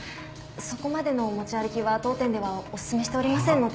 そこまでのお持ち歩きは当店ではおすすめしておりませんので